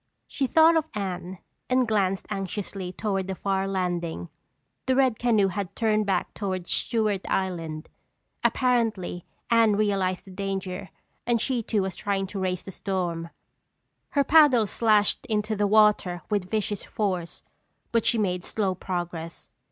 She thought of Anne and glanced anxiously toward the far landing. The red canoe had turned back toward Stewart Island. Apparently, Anne realized the danger and she too was trying to race the storm. Her paddle slashed into the water with vicious force, but she made slow progress.